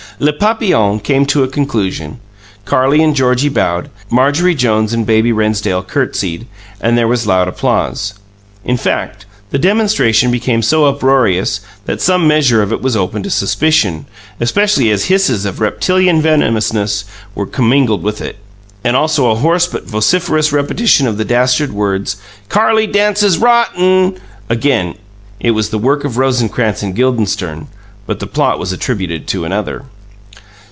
"Les Papillons" came to a conclusion. Carlie and Georgie bowed; Marjorie Jones and Baby Rennsdale curtesied, and there was loud applause. In fact, the demonstration became so uproarious that some measure of it was open to suspicion, especially as hisses of reptilian venomousness were commingled with it, and also a hoarse but vociferous repetition of the dastard words, "Carrie dances ROTTEN!" Again it was the work of Rosencrantz and Guildenstern; but the plot was attributed to another.